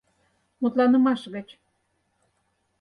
Мутланымаш гыч